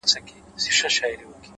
پوهه د ذهن تیاره کونجونه روښانه کوي،